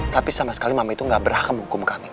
tapi sama sekali mama itu gak berah kemukum kami